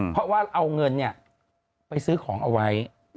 เพราะว่าเอาเงินไปซื้อของเอาไว้